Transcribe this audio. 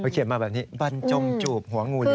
เขียนมาแบบนี้บรรจงจูบหัวงูเลย